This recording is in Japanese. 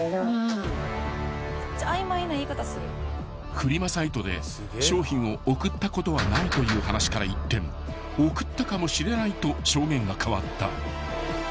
［フリマサイトで商品を送ったことはないという話から一転送ったかもしれないと証言が変わった］